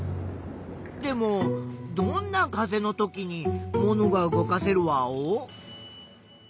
でもどんな風のときにものが動かせるワオ？